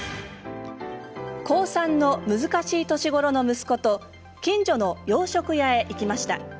高３の難しい年頃の息子と近所の洋食屋へ行きました。